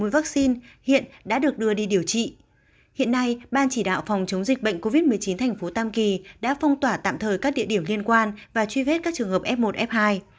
vaccine hiện đã được đưa đi điều trị hiện nay ban chỉ đạo phòng chống dịch bệnh covid một mươi chín thành phố tam kỳ đã phong tỏa tạm thời các địa điểm liên quan và truy vết các trường hợp f một f hai